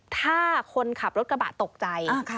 ถ้าคนขับรถกระบะตกใจ